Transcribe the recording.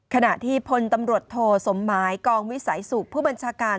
ขณะที่พลตำรวจโทสมหมายกองวิสัยสุขผู้บัญชาการ